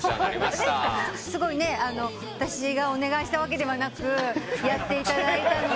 すごい私がお願いしたわけではなくやっていただいたので。